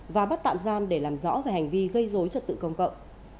và bắt tạm giam để làm rõ về hành vi gây dối trật tự công cộng